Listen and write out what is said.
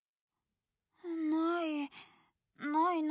ないないな。